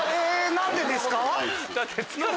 何でですか？